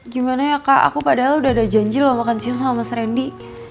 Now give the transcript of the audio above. gimana ya kak aku padahal udah ada janji loh makan siang sama mas randy